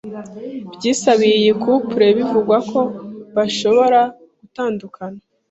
byibasiye iyi couple bivugwa ko bashobora gutandukana